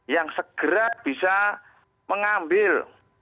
yang segera bisa mengambil